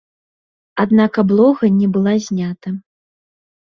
Аднак аблога не была знята.